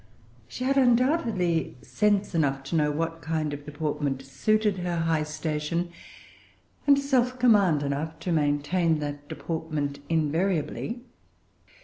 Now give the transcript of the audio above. She had undoubtedly sense enough to know what kind of deportment suited her high station, and self command enough to maintain that deportment invariably.